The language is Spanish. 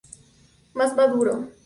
Más maduro.